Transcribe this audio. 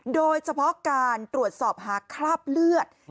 โดยเฉพาะการตรวจสอบหาคราบเลือด